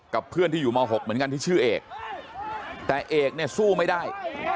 เพื่อนที่อยู่ม๖เหมือนกันที่ชื่อเอกแต่เอกเนี่ยสู้ไม่ได้